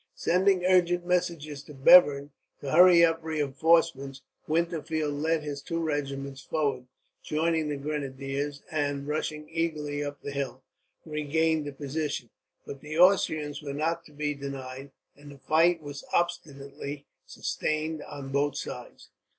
Sending urgent messages to Bevern, to hurry up reinforcements, Winterfeld led his two regiments forward, joined the grenadiers and, rushing eagerly up the hill, regained the position. But the Austrians were not to be denied, and the fight was obstinately sustained on both sides.